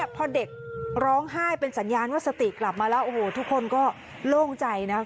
พอเด็กร้องไห้เป็นสัญญาณว่าสติกลับมาแล้วโอ้โหทุกคนก็โล่งใจนะ